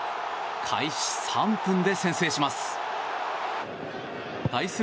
開始３分で先制します。